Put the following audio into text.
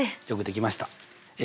よくできました。